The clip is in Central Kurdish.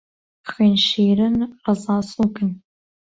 خوێن شیرن، ڕەزا سووکن